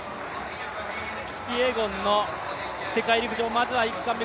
キピエゴンの世界陸上まずは１冠目。